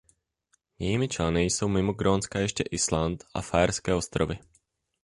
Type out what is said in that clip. Jejími členy jsou mimo Grónska ještě Island a Faerské ostrovy.